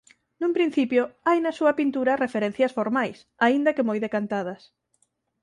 Nun principio hai na súa pintura referencias formais aínda que moi decantadas.